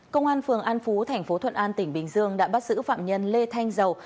công an phường an phú thành phố thuận an tỉnh bình dương đã bắt giữ phạm nhân lê thanh dầu